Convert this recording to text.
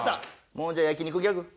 もうじゃあ焼肉ギャグ。